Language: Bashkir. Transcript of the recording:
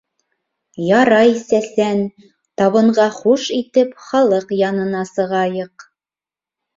— Ярай, сәсән, табынға хуш итеп, халыҡ янына сығайыҡ.